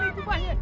mayuk jumpa lagi